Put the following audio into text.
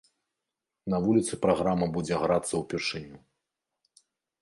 На вуліцы праграма будзе грацца ўпершыню.